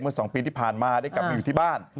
๒ปีที่ผ่านมาได้กลับมาอยู่ที่บ้าน